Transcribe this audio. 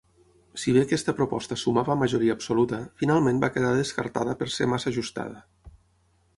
Si bé aquesta proposta sumava majoria absoluta, finalment va quedar descartada per ser massa ajustada.